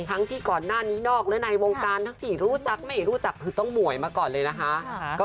ทั้งที่ก่อนหน้านี้นอกและในวงการทั้งสี่รู้จักไม่รู้จักคือต้องหมวยมาก่อนเลยนะคะ